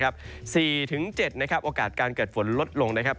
๔๗บองการการเกิดฝนลดลง